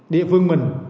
địa phương mình